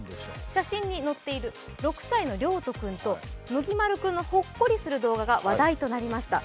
写真に載っている６歳のりょうと君とむぎまる君のほっこりする写真が話題となりました。